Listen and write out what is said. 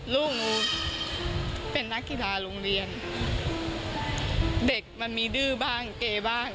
ลูกหนูเป็นนักกีฬาโรงเรียนเด็กมันมีดื้อบ้างเกย์บ้าง